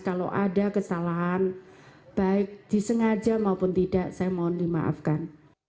kalau ada kesalahan baik disengaja maupun tidak saya mohon dimaafkan